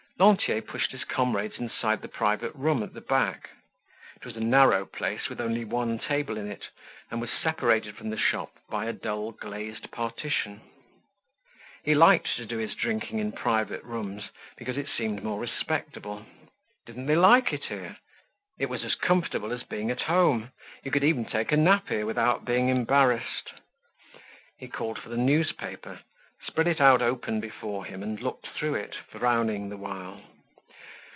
Lantier pushed his comrades inside the private room at the back; it was a narrow place with only one table in it, and was separated from the shop by a dull glazed partition. He liked to do his drinking in private rooms because it seemed more respectable. Didn't they like it here? It was as comfortable as being at home. You could even take a nap here without being embarrassed. He called for the newspaper, spread it out open before him, and looked through it, frowning the while.